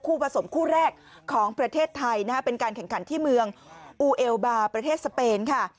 ผสมคู่แรกของประเทศไทยนะฮะเป็นการแข่งขันที่เมืองอูเอลบาร์ประเทศสเปนค่ะ